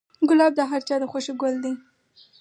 ګلاب د هر چا د خوښې ګل دی.